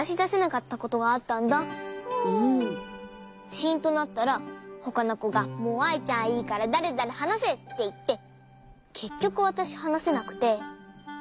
シンとなったらほかのこがもうアイちゃんいいからだれだれはなせっていってけっきょくわたしはなせなくて。